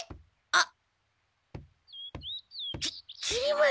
あっ！